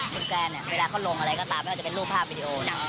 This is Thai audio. คุณแซนเนี่ยเวลาเขาลงอะไรก็ตามไม่ว่าจะเป็นรูปภาพวิดีโอเนี่ย